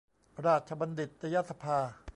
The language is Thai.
ราชบัณฑิตยสภา